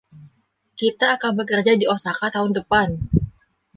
Kita akan bekerja di Osaka tahun depan.